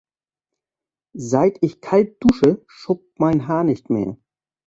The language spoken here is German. Seit ich kalt dusche, schuppt mein Haar nicht mehr.